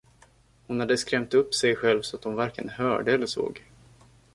Hon hade skrämt upp sig själv så att hon varken hörde eller såg.